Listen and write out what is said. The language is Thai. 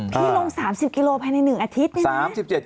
พี่ลง๓๐กิโลกรัมภายใน๑อาทิตย์ได้ไหม